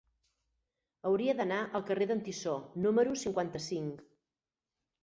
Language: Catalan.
Hauria d'anar al carrer d'en Tissó número cinquanta-cinc.